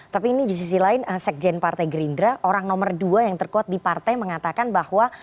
tapi ini di sisi lain sekjen partai gerindra orang nomor dua yang terkuat di partai mengatakan bahwa